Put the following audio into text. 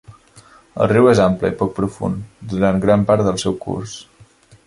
El riu és ample i poc profund durant gran part del seu curs.